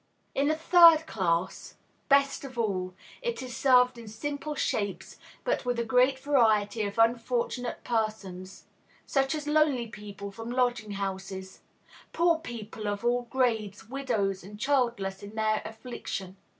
In a third class, best of all, it is served in simple shapes, but with a great variety of Unfortunate Persons, such as lonely people from lodging houses, poor people of all grades, widows and childless in their affliction.